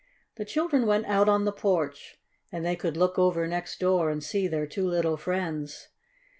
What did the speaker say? The children went out on the porch, and they could look over next door and see their two little friends.